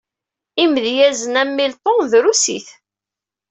Imedyazen am Milton drusit.